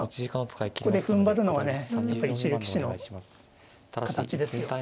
ここでふんばるのがねやっぱ一流棋士の形ですよね。